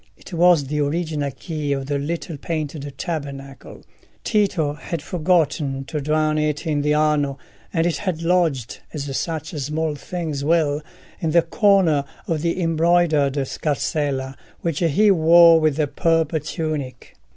It was the original key of the little painted tabernacle: Tito had forgotten to drown it in the Arno, and it had lodged, as such small things will, in the corner of the embroidered scarsella which he wore with the purple tunic.